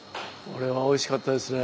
これはおいしかったですね。